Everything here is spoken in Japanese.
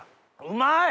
うまい！